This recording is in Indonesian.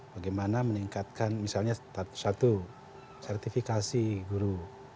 bagaimana meningkatkan misalnya satu sertifikasi guru